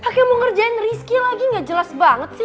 pakai mau ngerjain risky lagi gak jelas banget sih